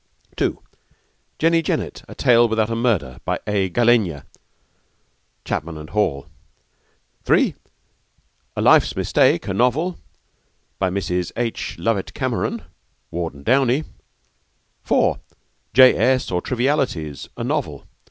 (2) Jenny Jennet: A Tale Without a Murder. By A. Gallenga. (Chapman and Hall.) (3) A Life's Mistake: A Novel. By Mrs. H. Lovett Cameron. (Ward and Downey.) (4) J. S.; or, Trivialities: A Novel.